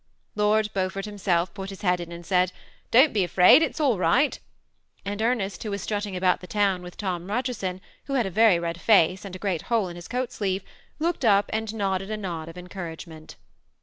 Lord Beanfort himself pat his head m and said, '^ Don't be afraid, all 's right ;" and Emea^ who was strutting about the town with Tom Rc^erson, who had a very red face and a great hole in hia coa^ sleeve, looked up and nodded a nod of encouragement.